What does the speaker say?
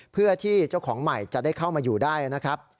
เพื่อที่เจ้าของใหม่จะได้เข้ามาอยู่ได้นะครับ